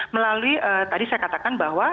melalui tadi saya katakan bahwa